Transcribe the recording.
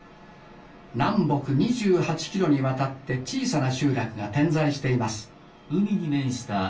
南北２８キロにわたって小さな集落が点在しています